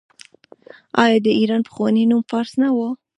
آیا د ایران پخوانی نوم فارس نه و؟